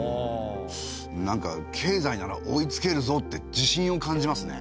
なんか経済なら追いつけるぞって自信を感じますね。